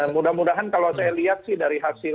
mudah mudahan kalau saya lihat sih dari hasil